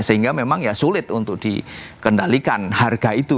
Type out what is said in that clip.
sehingga memang ya sulit untuk dikendalikan harga itu